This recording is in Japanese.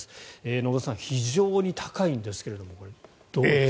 野田さん、非常に高いんですがこれ、どうですか？